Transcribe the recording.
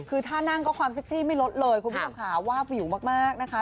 คุณพี่สัมขาวว่าวิวก็ความที่วิวมากไง